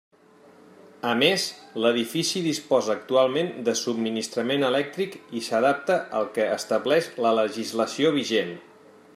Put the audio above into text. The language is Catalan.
A més, l'edifici disposa actualment de subministrament elèctric i s'adapta al que estableix la legislació vigent.